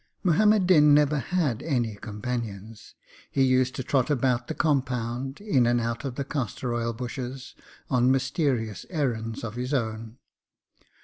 Muhammad Din never had any companions. He used to trot about the compound, in and out of the castor oil bushes, on mysterious errands of his own.